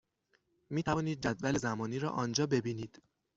می توانید جدول زمانی را آنجا ببینید.